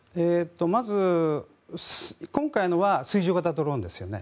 まず、今回のは水上型ドローンですね。